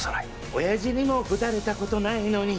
おやじにもぶたれたことないのに！